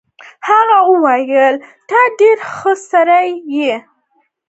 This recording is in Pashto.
هغه وویل ته ډېر ښه سړی یې.